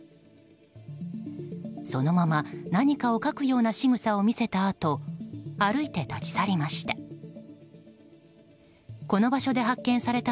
そのまま何かを書くようなしぐさを見せたあと歩いて立ち去りました。